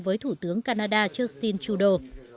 với thủ tướng canada justin trudeau